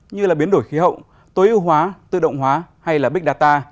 như biến đổi khí hậu tối ưu hóa tự động hóa hay là big data